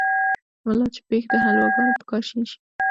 ملا چې پېښ دحلواګانو په کاشين شي